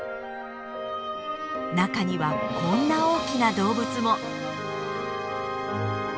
中にはこんな大きな動物も。